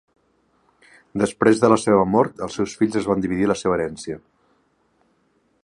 Després de la seva mort, els seus fills es van dividir la seva herència.